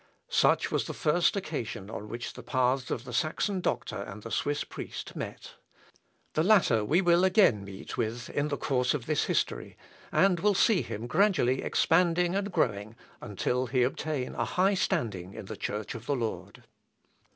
Such was the first occasion on which the paths of the Saxon doctor and the Swiss priest met. The latter we will again meet with in the course of this history, and will see him gradually expanding and growing until he obtain a high standing in the Church of the Lord.